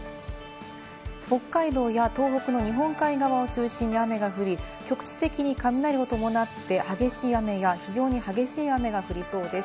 北海道や東北の日本海側を中心に雨が降り、局地的に雷を伴って激しい雨や非常に激しい雨が降りそうです。